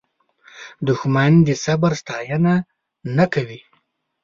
دښمن د صبر ستاینه نه کوي